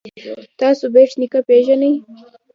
تاسو بېټ نیکه پيژنئ.